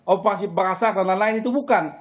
operasi pasar dan lain lain itu bukan